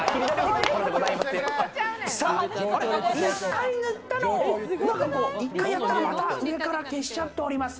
１回塗ったのを１回やったら上から消しちゃっております。